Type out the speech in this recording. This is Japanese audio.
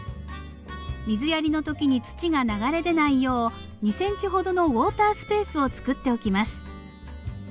水やりの時に土が流れ出ないよう２ｃｍほどのウォータースペースをつくっておきます。